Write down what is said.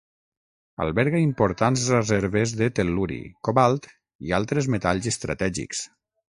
Alberga importants reserves de tel·luri, cobalt i altres metalls estratègics.